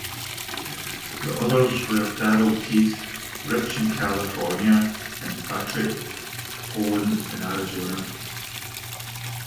The others were Darrell Keith Rich in California and Patrick Poland in Arizona.